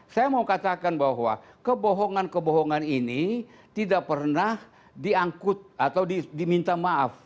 mereka mengatakan bahwa kebohongan kebohongan ini tidak pernah diangkut atau diminta maaf